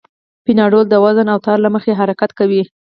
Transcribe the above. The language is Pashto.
پینډول د وزن او تار له مخې حرکت کوي.